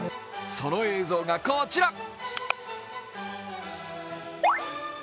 その映像がこちら。